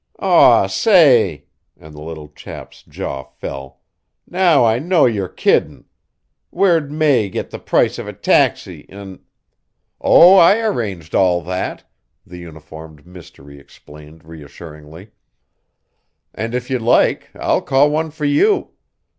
"Aw, say," and the little chap's jaw fell, "now I know you're kiddin'. Where'd May git the price of a taxi, an'" "Oh, I arranged all that," the uniformed mystery explained reassuringly, "and if you'd like I'll call one for you.